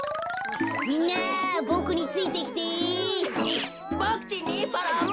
みんなボクについてきて。